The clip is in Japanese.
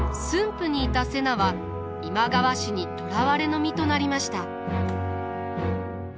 府にいた瀬名は今川氏に捕らわれの身となりました。